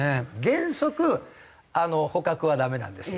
原則捕獲はダメなんですよ。